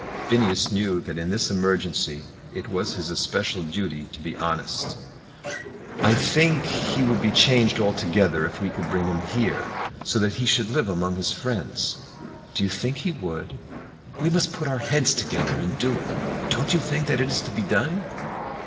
Phineas knew that in this emergency it was his especial duty to be honest. "I think he would be changed altogether if we could bring him here, so that he should live among his friends." "Do you think he would? We must put our heads together, and do it. Don't you think that it is to be done?"